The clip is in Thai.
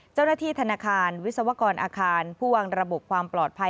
เจ้าหน้าที่ธนาคารวิศวกรอาคารผู้วางระบบความปลอดภัย